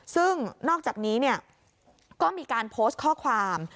ซึ่งนอกจากนี้ก็มีการโพสต์ข้อความ